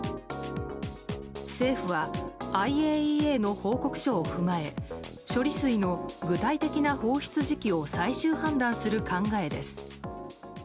政府はＩＡＥＡの報告書を踏まえ処理水の具体的な放出時期を最終判断する考えです。